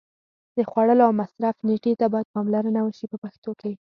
د خوړلو او مصرف نېټې ته باید پاملرنه وشي په پښتو کې.